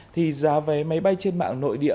thì giá vé máy bay trên mạng nội địa